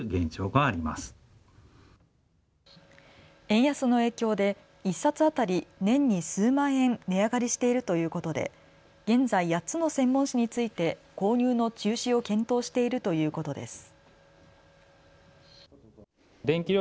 円安の影響で１冊当たり年に数万円値上がりしているということで、現在８つの専門誌について購入の中止を検討しているということです。